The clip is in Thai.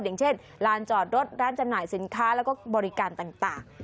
อย่างเช่นลานจอดรถร้านจำหน่ายสินค้าแล้วก็บริการต่าง